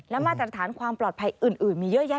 และมาตรฐานความปลอดภัยอื่นมีเยอะแยะ